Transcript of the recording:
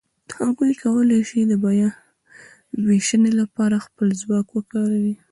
هغوی کولای شي د بیاوېشنې لهپاره خپل ځواک وکاروي.